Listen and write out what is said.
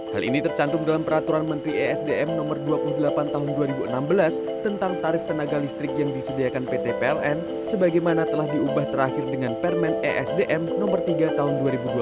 hal ini tercantum dalam peraturan menteri esdm nomor dua puluh delapan tahun dua ribu enam belas tentang tarif tenaga listrik yang disediakan pt pln sebagaimana telah diubah terakhir dengan permen esdm nomor tiga tahun dua ribu dua puluh